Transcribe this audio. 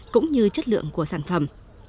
cũng như chất lượng của sản phẩm